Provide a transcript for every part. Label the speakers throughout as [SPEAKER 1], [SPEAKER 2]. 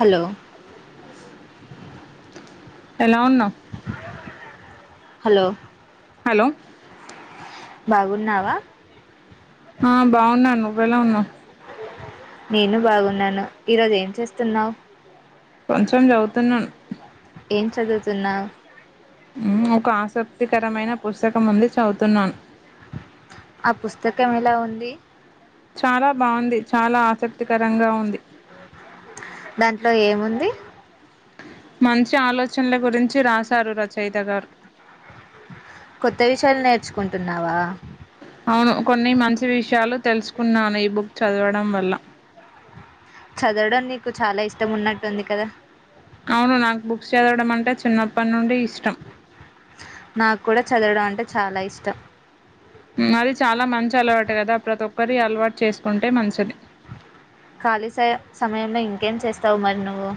[SPEAKER 1] Hello
[SPEAKER 2] ఎలా ఉన్నావు?
[SPEAKER 1] Hello
[SPEAKER 2] hello
[SPEAKER 1] బాగున్నావా?
[SPEAKER 2] ఆ బాగున్నా నువ్వేలా ఉన్నావు.
[SPEAKER 1] నేను బాగున్నాను ఈరోజు ఏం చేస్తున్నావు?
[SPEAKER 2] కొంచెం చదువుతున్నాను.
[SPEAKER 1] ఏం చదువుతున్నావు?
[SPEAKER 2] ఊ ఒక ఆసక్తికరమైన పుస్తకం ఉంది, చదువుతున్నాను.
[SPEAKER 1] ఆ పుస్తకం ఎలా ఉంది?
[SPEAKER 2] చాలా బాగుంది, చాలా ఆసక్తికరంగా ఉంది.
[SPEAKER 1] దాంట్లో ఏముంది.
[SPEAKER 2] మంచి ఆలోచనల గురించి రాశారు రచయిత గారు.
[SPEAKER 1] కొత్త విషయాలు నేర్చుకుంటున్నావా?
[SPEAKER 2] అవును కొన్ని మంచి విషయాలు తెలుసుకున్నాను, ఈ బుక్ చదవడం వల్ల.
[SPEAKER 1] చదవడం నీకు చాలా ఇష్టం ఉన్నట్టుంది కదా.
[SPEAKER 2] అవును నాకు బుక్స్ చదవడం అంటే చిన్నప్పటి నుండి ఇష్టం.
[SPEAKER 1] నాకు కూడా చదవడం అంటే చాలా ఇష్టం.
[SPEAKER 2] అది చాలా మంచి అలవాటు కదా, ప్రతి ఒక్కరి అలవాటు చేసుకుంటే మంచిది.
[SPEAKER 1] ఖాళీ స సమయంలో ఇంకేం చేస్తావు మరి నువ్వు.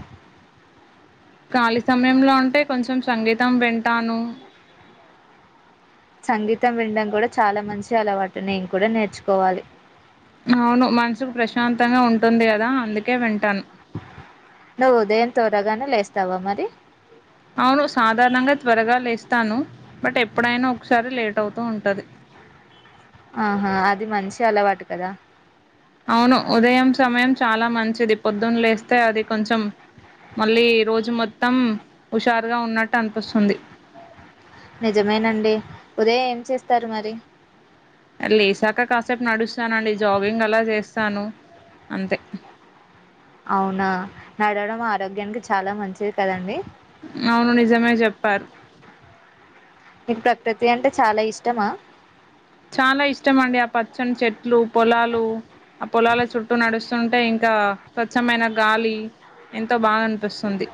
[SPEAKER 2] ఖాళీ సమయంలో అంటే కొంచెం సంగీతం వింటాను.
[SPEAKER 1] సంగీతం వినడం కూడా చాలా మంచి అలవాటు. నేను కూడా నేర్చుకోవాలి.
[SPEAKER 2] అవును మనసుకు ప్రశాంతంగా ఉంటుంది, కదా అందుకే వింటాను.
[SPEAKER 1] నువ్వు ఉదయం తోరగానే లేస్తావ మరి.
[SPEAKER 2] అవును సాధారణంగా త్వరగా లేస్తాను. బట్ ఎప్పుడైనా ఒకసారి లేట్ అవుతూ ఉంటది.
[SPEAKER 1] ఆహా అది మంచి అలవాటు కదా
[SPEAKER 2] అవును ఉదయం సమయం చాలా మంచిది. పొద్దున్న లేస్తే అది కొంచెం మళ్ళీ రోజు మొత్తం హుషారుగా ఉన్నట్టు అనిపిస్తుంది.
[SPEAKER 1] నిజమేనండి ఉదయ ఏం చేస్తారు మరి?
[SPEAKER 2] లేసాక కాసేపు నడుస్తానండి జాగింగ్ అలా చేస్తాను అంతే.
[SPEAKER 1] అవునా నడవడం ఆరోగ్యానికి చాలా మంచిది కదండి.
[SPEAKER 2] అవును నిజమే చెప్పారు.
[SPEAKER 1] మీకు ప్రకృతి అంటే చాలా ఇష్టమా?
[SPEAKER 2] చంచట్ లు పొలాలు, ఆ పొలాల చుట్టూ నడుస్తు అంటే ఇంకా స్వచ్ఛమైన గాలి అ బాగా అనిపిస్తుంది.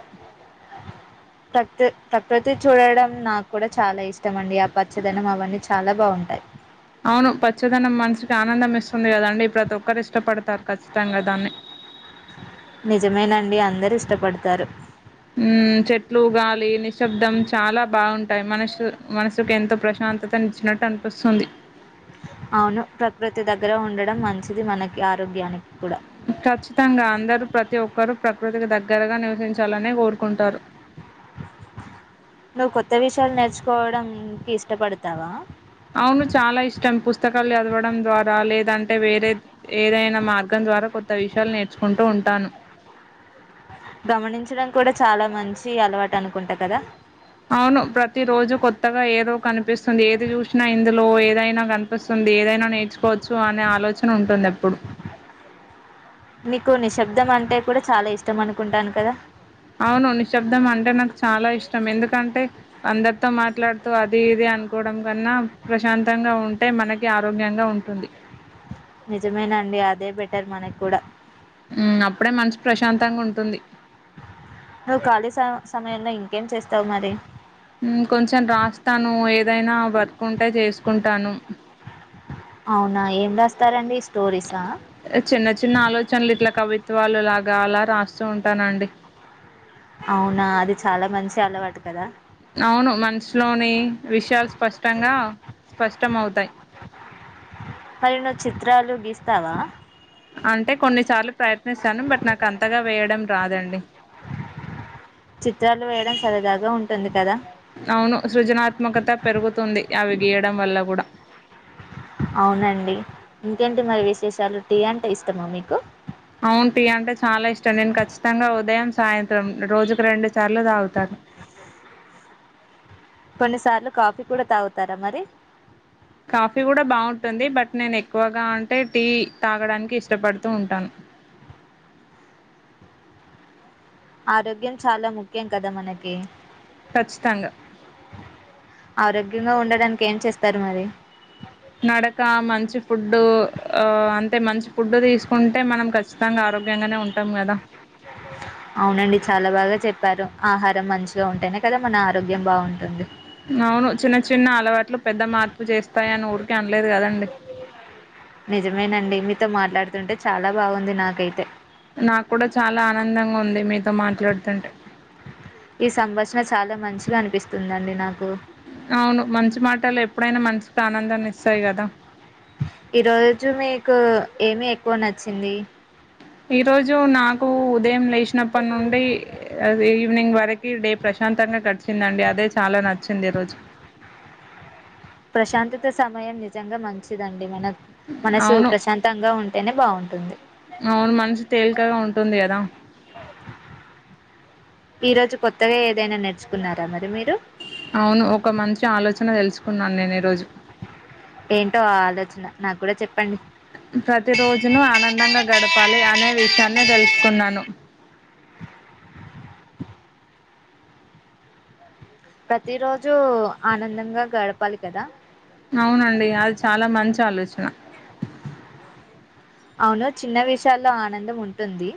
[SPEAKER 1] ప్రతిది చూడడం నాకు కూడా చాలా ఇష్టం అండి. ఆ పచ్చదనం అవన్నీ చాలా బాగుంటాయి.
[SPEAKER 2] అవును పచ్చదనం మనసుకి ఆనందం ఇస్తుంది కదండి. ప్రతి ఒక్కరు ఇష్టపడతారు ఖచ్చితంగా దాన్ని.
[SPEAKER 1] నిజమేనండి అందరు ఇష్టపడతారు.
[SPEAKER 2] ఊ చెట్లు గాలి, నిశ్శబ్దం చాలా బాగుంటాయి. మనసు మనసుకు ఎంతో ప్రశాంతత ఇచ్చినట్టు అనిపిస్తుంది.
[SPEAKER 1] అవును ప్రకృతి దగ్గర ఉండడం మంచిది. మనకి ఆరోగ్యానికి కూడా
[SPEAKER 2] ఖచ్చితంగా అందరూ ప్రతి ఒక్కరు ప్రకృతికి దగ్గరగా నివసించాలని కోరుకుంటారు.
[SPEAKER 1] నువ్వు కొత్త విషయాలు నేర్చుకోవడం కి ఇష్టపడతావా.
[SPEAKER 2] అవును చాలా ఇష్టం పుస్తకాలు చదవడం ద్వారా లేదంటే వేరే ఏదైనా మార్గం ద్వారా కొత్త విషయాలు నేర్చుకుంటూ ఉంటాను.
[SPEAKER 1] గమనించడం కూడా చాలా మంచి అలవాటు అనుకుంటా కదా?
[SPEAKER 2] అవును ప్రతి రోజు కొత్తగా ఏదో కనిపిస్తుంది ఏది చూసినా ఇందులో ఏ ఏదైనా కనిపిస్తుంది ఏదైనా నేర్చుకోవచ్చు, అనే ఆలోచన ఉంటుంది ఎప్పుడు
[SPEAKER 1] నీకు నిశ్శబ్దం అంటే కూడా చాలా ఇష్టం అనుకుంటాను కదా?
[SPEAKER 2] అవును నిశ్శబ్దం అంటే నాకు చాలా ఇష్టం. ఎందుకంటే అందరితో మాట్లాడుతూ అది ఇది అనుకోవడం కన్నా ప్రశాంతంగా ఉంటే మనకి ఆరోగ్యంగా ఉంటుంది.
[SPEAKER 1] నిజమేనండి అదే బెటర్ మనకు కూడా
[SPEAKER 2] ఉమ్ అప్పుడే మనసు ప్రశాంతంగా ఉంటుంది.
[SPEAKER 1] తయంలో ఇంకేం చేస్తావ్ మరి?
[SPEAKER 2] మ్మ్ కొంచెం రాస్తాను ఏదైనా వర్క్ ఉంటే చేసుకుంటాను
[SPEAKER 1] అవునా ఏం వేస్తారండి
[SPEAKER 2] చిన్న చిన్న ఆలోచనలు ఇట్లా కవిత్వాలు లాగ్ గాలా రాస్తూ ఉంటానండి.
[SPEAKER 1] అవునా అది చాలా మంచి అలవాటు కదా?
[SPEAKER 2] అవును మంచ్ లోని విషయాలు స్పష్టంగా స్పష్టం అవతాయ్
[SPEAKER 1] అరేయ్ నువ్వు చిత్రాలు గీస్తావా?
[SPEAKER 2] అంటే కొన్నిసార్లు ప్రయత్నిస్తాను బట్ నాకు అంతగా వేయడం రాదండి.
[SPEAKER 1] చిత్రాలు వేయడం సరదాగా ఉంటుంది కదా?
[SPEAKER 2] ఆత్మకత పెరుగుతుంది అవి గీయడం వల్ల కూడా
[SPEAKER 1] అవునండి ఇంకేంటి మరి విశేషాలు, టీ అంటే ఇష్టమా మీకు?
[SPEAKER 2] అవును టీ అంటే చాలా ఇష్టం. నేను ఖచ్చితంగా ఉదయం సాయంత్రం రోజుకు రెండు సార్లు తాగుతన్
[SPEAKER 1] కొన్ని సార్లు కాఫీ కూడా తాగుతారా మరి?
[SPEAKER 2] కాఫీ కూడా బాగుంటుంది బట్, నేను ఎక్కువగా అంటే టీ తాగడానికి ఇష్టపడుతూ ఉంటాను.
[SPEAKER 1] ఆరోగ్యం చాలా ముఖ్యం కదా మనకి
[SPEAKER 2] కచ్చితంగా
[SPEAKER 1] ఆరోగ్యంగా ఉండడానికి ఏం చేస్తారు మరి?
[SPEAKER 2] నడక మంచి ఫుడ్డు, ఆ అంటే మంచి ఫుడ్డు తీసుకుంటే మనం ఖచ్చితంగా ఆరోగ్యంగానే ఉంటాం కదా
[SPEAKER 1] అవునండి చాలా బాగా చెప్పారు, ఆహారం మంచిగా ఉంటేనే కదా మన ఆరోగ్యం బాగుంటుంది.
[SPEAKER 2] అవును చిన్న చిన్న అలవాట్లు పెద్ద మార్పు చేస్తాయ్ అని ఊరికే అనలేదు కదండి.
[SPEAKER 1] నిజమేనండి మీతో మాట్లాడుతుంటే చాలా బాగుంది నాకైతే.
[SPEAKER 2] నాకు కూడా చాలా ఆనందంగా ఉంది మీతో మాట్లాడుతుంటే.
[SPEAKER 1] ఈ సంభాషణ చాలా మంచిగా అనిపిస్తుందండి నాకు.
[SPEAKER 2] అవును మంచి మాటలు ఎప్పుడైనా మనిషికి ఆనందాన్ని ఇస్తాయ్ కదా.
[SPEAKER 1] ఈ రోజు మీకు ఏమి ఎక్కువ నచ్చింది?
[SPEAKER 2] ఈ రోజు నాక్ ఉ ఉదయం లేచినప్పటి నుండి అదే ఈవినింగ్ వరక్ డే ప్రశాంతంగా గడిచిందండి అదే చాలా నచ్చింది ఈ రోజ్
[SPEAKER 1] ప్రశాంతత సమయం నిజంగా మంచిదండి మనక్ మనసు
[SPEAKER 2] అవును
[SPEAKER 1] ప్రశాంతంగా ఉన్ అంటేనే బాగుంటుంది
[SPEAKER 2] అవును మనసు తేలికగా ఉంటుంది కదా
[SPEAKER 1] ఈ రోజు కొత్తగా ఏదైనా నేర్చుకున్నారా మరి మీర్?
[SPEAKER 2] అవును ఒక మంచి ఆలోచ్ నిన్న తెలుసుకున్నాను నేను ఈరోజు
[SPEAKER 1] ఏంటో ఆ ఆలోచన నాకు కూడ చెప్
[SPEAKER 2] ప్రతి రోజును ఆనందంగా గడపాలి అనే విష్ చన్న తెలుసుకున్నాను
[SPEAKER 1] ప్రతి రోజు ఆనందంగా గడపాలి కదా
[SPEAKER 2] అవునండి అది చాలా మంచి ఆలోచన
[SPEAKER 1] అవును చిన్న విషయాల్లో ఆనందం ఉంటుంది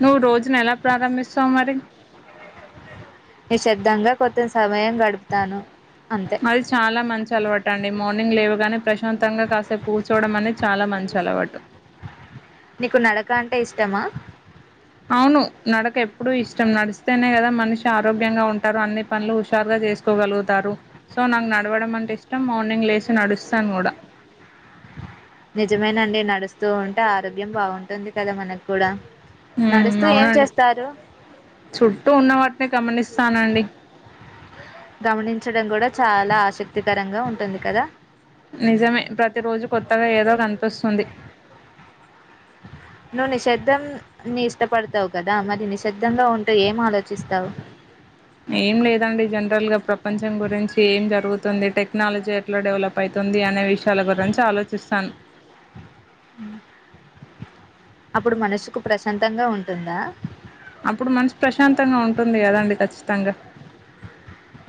[SPEAKER 2] నువ్వు రోజును ఎలా ప్రారంభిస్తావు మరి
[SPEAKER 1] నిశబ్దంగా కొత్త సమయం గడుపుతాను. అంతే
[SPEAKER 2] అది చాలా మంచి అలవాటు అండి. మార్నింగ్ లేవగానే, ప్రశాంతంగా కాసేపు కూర్చోడం. అనేది చాలా మంచి అలవాటు.
[SPEAKER 1] నీకు నడక అంటే ఇష్టమా
[SPEAKER 2] అవును నడక ఎప్పుడూ ఇష్టం. నడిస్తేనే కదా మనిషి ఆరోగ్యంగా ఉంటారు. అన్ని పనులు హుషారుగా చేసుకోగలుగుతారు. సో నాకు నడవడం అంటే ఇష్టం. మార్నింగ్ లేచి నడుస్తాను కూడా.
[SPEAKER 1] నిజమేనండి నడుస్తూ ఉంటే ఆరోగ్యం బాగుంటుంది. కదా మనకు కూడా
[SPEAKER 2] ఊమ్
[SPEAKER 1] నడుస్తూ ఏం
[SPEAKER 2] అవునండి
[SPEAKER 1] చేస్తారు
[SPEAKER 2] చుట్టూ ఉన్నవాటి నే గమనిస్తానండి
[SPEAKER 1] గమనించడం కూడా చాలా ఆసక్తికరంగా ఉంటుంది. కదా
[SPEAKER 2] నిజమే ప్రతిరోజు కొత్తగా ఏదో కనిపిస్తుంది
[SPEAKER 1] నువ్వు నిశ్శబ్దం నీ ఇష్టపడతావు కదా! మరి నిశ్శబ్దంగా ఉంటే ఏం ఆలోచ
[SPEAKER 2] ఏం లేదండి జం జనరల్ గా ప్రపంచం గురించి ఏం జరుగుతుంది. టెక్నాలజీ ఎట్లా డెవలప్ అయితుంది. అనే విషయాల గురించి ఆలోచిస్తాను.
[SPEAKER 1] ఉ అప్పుడు మనసుకు ప్రశాంతంగా ఉంటుందా
[SPEAKER 2] అప్పుడు మనసు ప్రశాంతంగా ఉంటుంది కదాండి ఖచ్చితంగా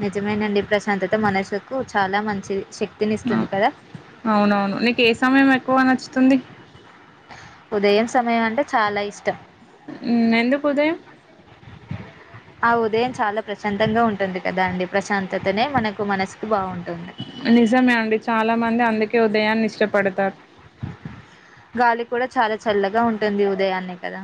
[SPEAKER 1] నిజమేనండి ప్రశాంతత మనసుకు చాలా మంచి శక్
[SPEAKER 2] ఆ అవునవును నీకు ఏ సమయం ఎక్కువ నచ్ తుంది
[SPEAKER 1] ఉదయం సమయం అంటే చాలా ఇష్టం.
[SPEAKER 2] ఉ ఎందుకు ఉదయం
[SPEAKER 1] ఆ ఉదయం చాలా ప్రశాంతంగా ఉంటుంది కదా అండి ప్రశాంతతనే మనకు మనసుకి బాగుం
[SPEAKER 2] నిజమే అండి చాలా మంది అందుకే ఉదయాన్ని ఇష్టపడతారు.
[SPEAKER 1] గాలి కూడా చాలా చల్లగా ఉంటుంది. ఉదయాన్నే కదా.